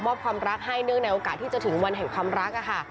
ความรักให้เนื่องในโอกาสที่จะถึงวันแห่งความรักค่ะ